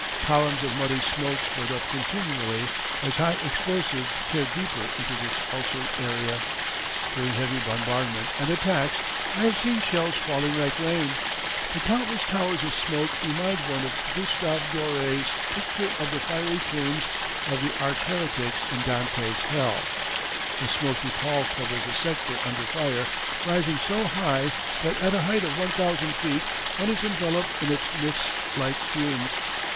Columns of muddy smoke spurt up continually as high explosives tear deeper into this ulcered area. During heavy bombardment and attacks I have seen shells falling like rain. The countless towers of smoke remind one of Gustave Doré's picture of the fiery tombs of the arch heretics in Dante's "Hell." A smoky pall covers the sector under fire, rising so high that at a height of one thousand feet one is enveloped in its mist like fumes.